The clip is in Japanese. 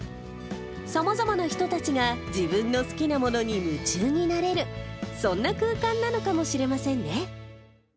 さまざまな人たちが自分の好きなものに夢中になれる、そんな空間なのかもしれませんね。